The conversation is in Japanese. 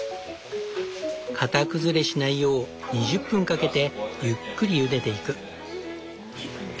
型崩れしないよう２０分かけてゆっくりゆでていく。